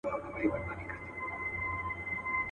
شیطانانو په تیارو کي شپې کرلي.